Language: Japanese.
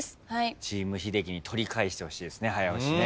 チーム英樹に取り返してほしいですね早押し。